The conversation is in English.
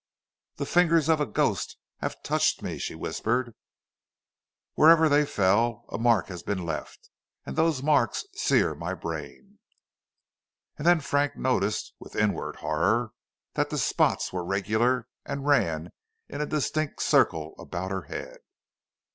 "The fingers of a ghost have touched me," she whispered. "Wherever they fell, a mark has been left, and those marks sear my brain." And then Frank noticed, with inward horror, that the spots were regular and ran in a distinct circle about her head.